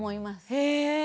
へえ。